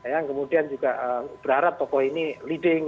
yang kemudian juga berharap tokoh ini leading